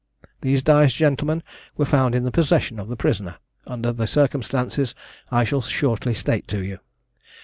These dies, gentlemen, were found in the possession of the prisoner, under the circumstances I shall shortly state to you.